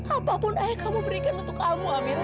apapun ayah kamu berikan untuk kamu amin